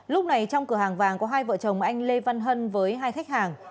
lúc này trong cửa hàng vàng có hai vợ chồng anh lê văn hân với hai khách hàng